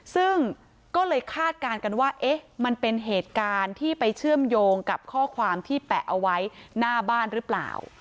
ซึ่งก็เลยคาดการณ์กันว่าเอ๊ะมันเป็นเหตุการณ์ที่ไปเชื่อมโยงกับข้อความที่แปะเอาไว้หน้าบ้านหรือเปล่า